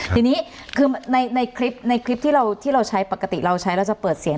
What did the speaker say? ทีนี้คือในคลิปที่เราใช้ปกติเราใช้แล้วจะเปิดเสียง